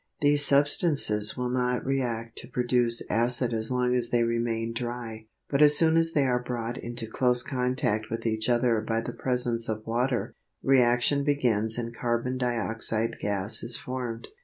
These substances will not react to produce acid as long as they remain dry, but as soon as they are brought into close contact with each other by the presence of water, reaction begins and carbon dioxide gas is formed.